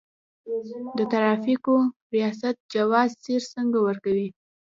د ترافیکو ریاست جواز سیر څنګه ورکوي؟